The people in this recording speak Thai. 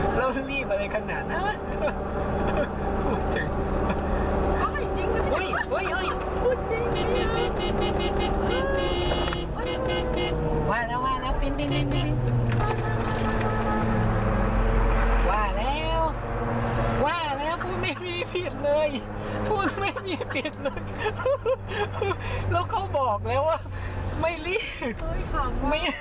กล้องได้เท่าไหร่ฝีมฉริง